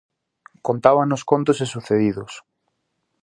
Contábanos contos e sucedidos.